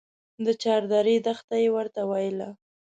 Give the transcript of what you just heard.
د چاردرې دښته يې ورته ويله.